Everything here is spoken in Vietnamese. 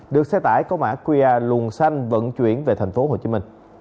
được xe tải có mã qr luồng xanh vận chuyển về tp hcm